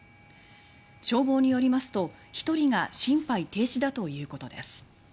消防によりますと１人が心肺停止だということです。